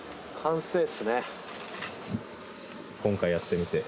今回やってみて。